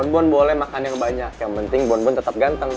bon boleh makan yang banyak yang penting bonbon tetap ganteng